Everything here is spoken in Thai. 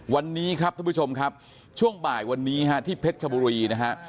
วันนี้ครับท่านผู้ชมครับช่วงบ่ายวันนี้ฮะที่เพชรชบุรีนะฮะ